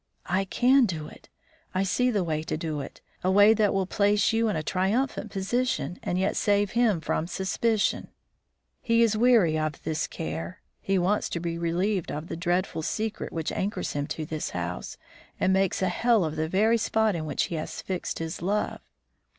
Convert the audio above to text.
"I can do it; I see the way to do it a way that will place you in a triumphant position, and yet save him from suspicion. He is weary of this care. He wants to be relieved of the dreadful secret which anchors him to this house, and makes a hell of the very spot in which he has fixed his love.